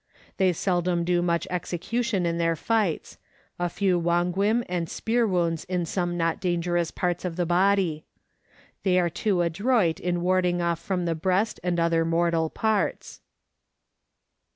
They seldom do much execution in their fights a few wonguim and spear wounds in some not dangerous parts of the body. They are too adroit in warding off from the breast and other mortal parts.